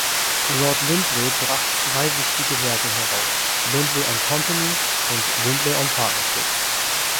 Lord Lindley bracht zwei wichtige Werke heraus: „Lindley on Companies“ und „Lindley on Partnership“.